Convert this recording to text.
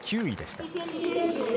９位でした。